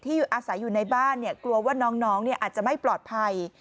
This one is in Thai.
อาศัยอยู่ในบ้านกลัวว่าน้องอาจจะไม่ปลอดภัย